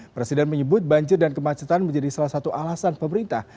presiden menyebut banjir dan kemacetan menjadi salah satu alasan pemerintah